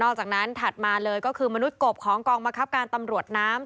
นอกจากนั้นทัดมาเลยมนุษย์กรปกลองมกับการตำรวจน้ำ